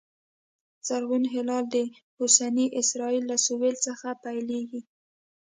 زرغون هلال د اوسني اسرایل له سوېل څخه پیلېږي